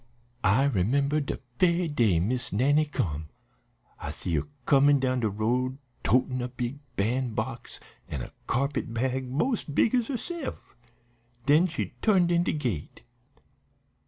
"I remember de ve'y day Miss Nannie come. I see her comin' down de road totin' a big ban'box, an' a carpet bag mos 's big 's herse'f. Den she turned in de gate.